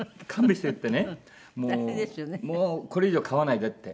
もうこれ以上飼わないでって。